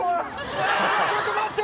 うわ、ちょっと待って。